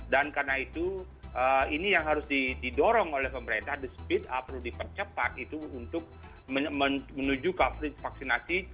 dan karena itu ini yang harus didorong oleh pemerintah the speed up perlu dipercepat itu untuk menuju coverage vaksinasi